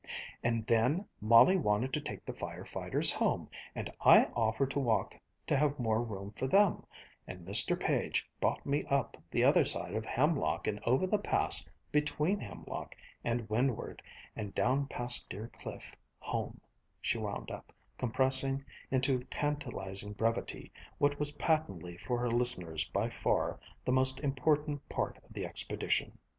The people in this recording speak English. "And then Molly wanted to take the fire fighters home, and I offered to walk to have more room for them, and Mr. Page brought me up the other side of Hemlock and over the pass between Hemlock and Windward and down past Deer Cliff, home," she wound up, compressing into tantalizing brevity what was patently for her listeners by far the most important part of the expedition.